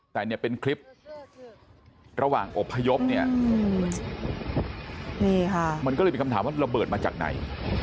แต่เนี่ยเป็นคลิประหว่างอบพยพเนี่ยนี่ค่ะมันก็เลยมีคำถามว่าระเบิดมาจากไหน